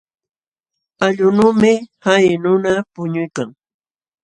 Allqunuumi hay nuna puñuykan.